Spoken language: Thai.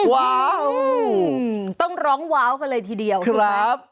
ว้าวต้องร้องว้าวกันเลยทีเดียวคุณครับ